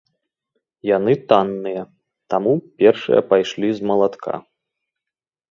Яны танныя, таму першыя пайшлі з малатка.